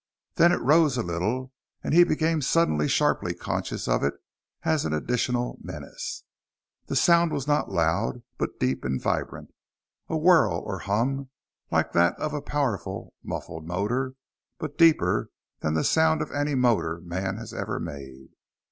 Then it rose a little, and he became suddenly sharply conscious of it as an additional menace. The sound was not loud, but deep and vibrant. A whir or hum, like that of a powerful, muffled motor, but deeper than the sound of any motor man has ever made.